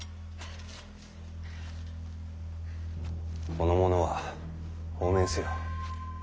この者は放免せよ。